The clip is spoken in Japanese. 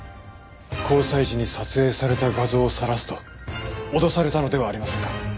交際時に撮影された画像をさらすと脅されたのではありませんか？